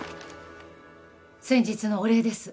先日のお礼です